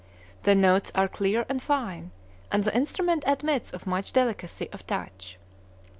The notes are clear and fine, and the instrument admits of much delicacy of touch.